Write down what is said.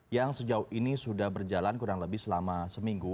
yang sejauh ini sudah berjalan kurang lebih selama seminggu